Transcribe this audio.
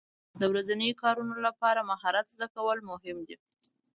د ورځني کارونو لپاره مهارت زده کول مهم دي.